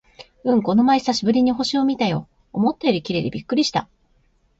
うん、この前久しぶりに星を見たよ。思ったより綺麗でびっくりした！